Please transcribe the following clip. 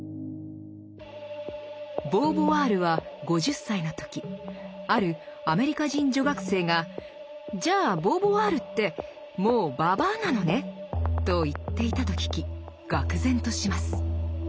ボーヴォワールは５０歳の時あるアメリカ人女学生が「じゃあボーヴォワールってもう老女なのね！」と言っていたと聞きがく然とします。